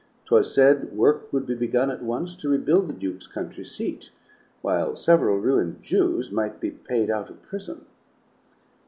'Twas said work would be begun at once to rebuild the Duke's country seat, while several ruined Jews might be paid out of prison.